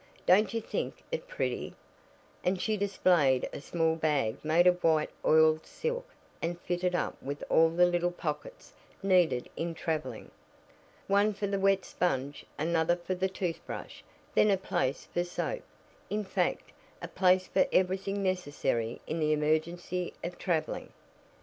"Don't you think it pretty?" and she displayed a small bag made of white oiled silk and fitted up with all the little pockets needed in traveling. One for the wet sponge, another for the toothbrush, then a place for soap; in fact, a place for everything necessary in the emergency of traveling.